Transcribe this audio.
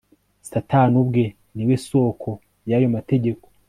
Satani ubwe ni we soko yayo mategeko